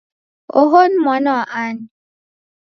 Oho ni mwana wa ani?